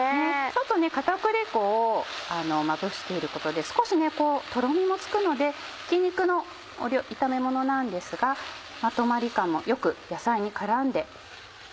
ちょっと片栗粉をまぶしていることで少しこうとろみもつくのでひき肉の炒めものなんですがまとまり感も良く野菜に絡んで。